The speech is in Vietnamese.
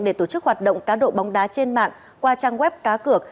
để tổ chức hoạt động cá độ bóng đá trên mạng qua trang web cá cược